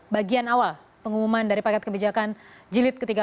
bagian awal pengumuman dari paket kebijakan jilid ke tiga belas